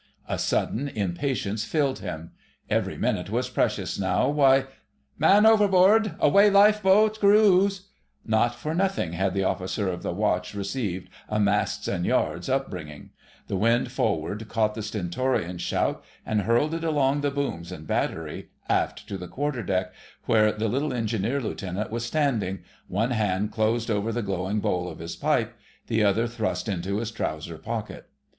A sudden impatience filled him. Every minute was precious now. Why—— "MAN OVERBOARD. AWAY LIFEBOAT'S CREW!" Not for nothing had the Officer of the Watch received a "Masts and Yards" upbringing; the wind forward caught the stentorian shout and hurled it along the booms and battery, aft to the quarter deck where the little Engineer Lieutenant was standing, one hand closed over the glowing bowl of his pipe, the other thrust into his trousers pocket.